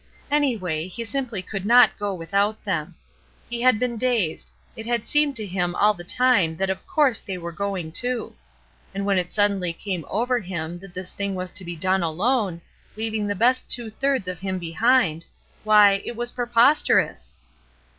Any way, he simply could not go without them. He had been dazed ; it had seemed to him all the I HOMEWARD BOUND 337 time that of course they were going too; and when it suddenly came over him that this thing was to be done alone, leaving the best two thirds of him behind, why — it was prepos terous